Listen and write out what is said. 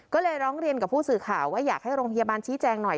ก็เลยร้องเรียนกับผู้สื่อข่าวว่าอยากให้โรงพยาบาลชี้แจงหน่อย